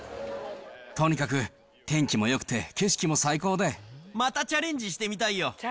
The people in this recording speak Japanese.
とにかく天気もよくて景色も最高で、またチャレンジしてみたいよ。